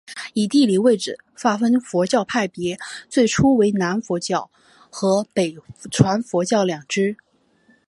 以地理位置划分的佛教派别最初为南传佛教和北传佛教两支。